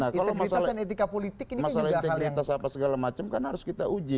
nah kalau masalah integritas apa segala macem kan harus kita uji